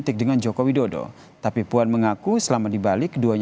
terima kasih pak prabowo